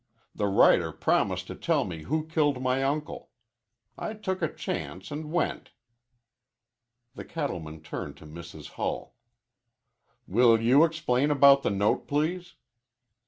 The writer promised to tell me who killed my uncle. I took a chance an' went." The cattleman turned to Mrs. Hull. "Will you explain about the note, please?"